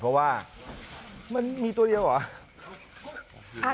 เพราะว่ามันมีตัวเดียวเหรอ